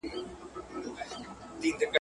نن له هغې وني ږغونه د مستۍ نه راځي.